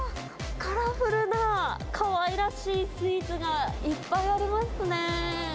カラフルな、かわいらしいスイーツがいっぱいありますね。